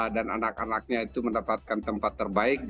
dan anak anaknya itu mendapatkan tempat terbaik